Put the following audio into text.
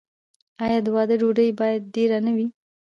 آیا د واده ډوډۍ باید ډیره نه وي؟